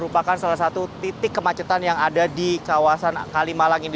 merupakan salah satu titik kemacetan yang ada di kawasan kalimalang ini